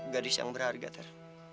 gadis yang berharga ter